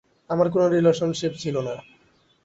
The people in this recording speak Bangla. আমার কোন রিলেশনশীপ ছিল না।